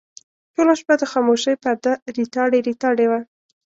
ټوله شپه د خاموشۍ پرده ریتاړې ریتاړې وه.